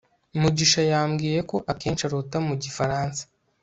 mugisha yambwiye ko akenshi arota mu gifaransa